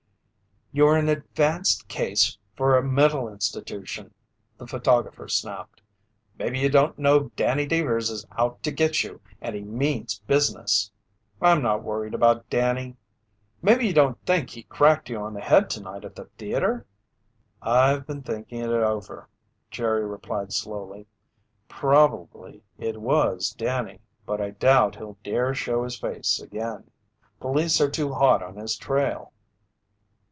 "You're an advanced case for a mental institution!" the photographer snapped. "Maybe you don't know Danny Deevers is out to get you and he means business!" "I'm not worried about Danny." "Maybe you don't think he cracked you on the head tonight at the theater?" "I've been thinking it over," Jerry replied slowly. "Probably it was Danny, but I doubt he'll dare show his face again. Police are too hot on his trail."